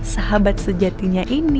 sahabat sejatinya ini